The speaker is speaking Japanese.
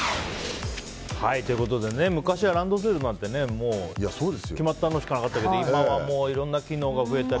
昔はランドセルなんてね決まったのしかなかったけど今はもういろんな機能が増えたり。